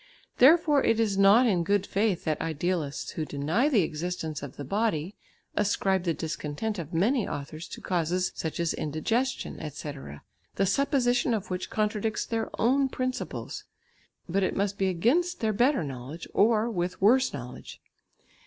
Therefore it is not in good faith that idealists who deny the existence of the body, ascribe the discontent of many authors to causes such as indigestion, etc., the supposition of which contradicts their own principles, but it must be against their better knowledge, or with worse knowledge.